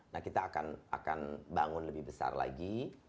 nah kita akan bangun lebih besar lagi